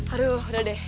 aduh udah deh